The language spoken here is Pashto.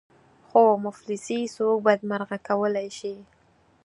خو مفلسي څوک بدمرغه کولای شي.